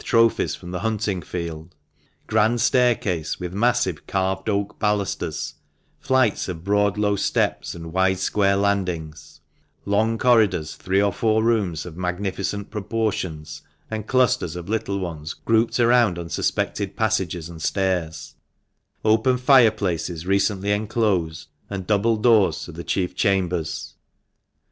423 trophies from the hunting field ; grand staircase, with massive carved oak balusters, flights of broad low steps, and wide square landings ; long corridors, three or four rooms of magnificent proportions, and clusters of little ones grouped around unsuspected passages and stairs ; open fire places recently enclosed, and double doors to the chief chambers.